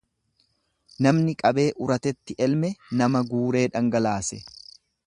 Namni qabee uratetti elme nama guuree dhangalaase.